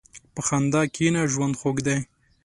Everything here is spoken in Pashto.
په خندا کښېنه، ژوند خوږ دی.